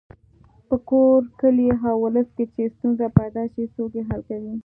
په کور، کلي او ولس کې چې ستونزه پیدا شي څوک یې حل کوي.